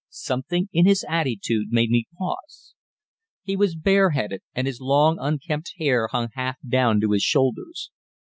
Something in his attitude made me pause. He was bareheaded, and his long, unkempt hair hung half way down to his shoulders.